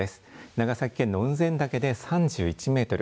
長崎県の雲仙岳で３１メートル